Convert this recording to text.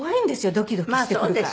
ドキドキしてくるから。